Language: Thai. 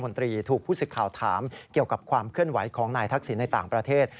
ถูกผู้สิทธิ์ข่าวถามเกี่ยวกับความเคลื่อนไหวของนายทักษิณในต่างประเทศ